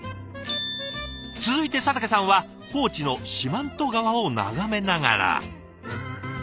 続いて佐竹さんは高知の四万十川を眺めながら。